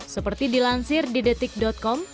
seperti dilansir di detik com